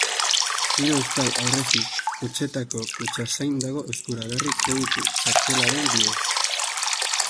Hiru euskal aurrezki-kutxetako kutxazain dago eskuragarri, kreditu-txartelaren bidez.